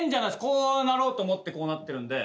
こうなろうと思ってこうなってるんで。